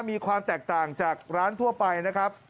มีความแตกต่างจากร้านทั่วไปนะครับ